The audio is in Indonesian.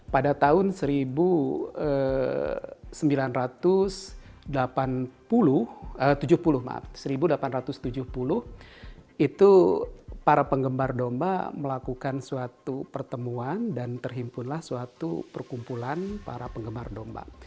pada tahun seribu delapan ratus tujuh puluh itu para penggemar domba melakukan suatu pertemuan dan terhimpunlah suatu perkumpulan para penggemar domba